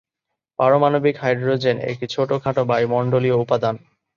পারমাণবিক হাইড্রোজেন একটি ছোটখাটো বায়ুমণ্ডলীয় উপাদান।